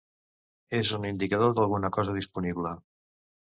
És un indicador d'alguna cosa disponible.